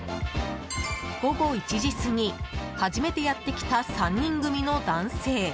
午後１時すぎ初めてやってきた３人組の男性。